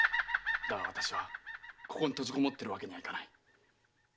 だが私はここに閉じこもっているわけにいかない。